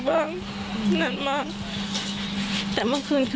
เราก็เข้าไปในห้องเลย